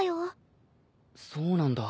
そうなんだ。